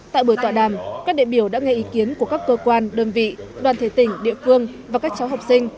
tại buổi tọa đàm các đệ biểu đã nghe ý kiến của các cơ quan đơn vị đoàn thể tỉnh địa phương và các cháu học sinh